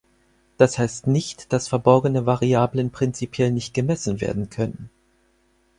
Das heißt nicht, dass verborgene Variablen prinzipiell nicht gemessen werden können.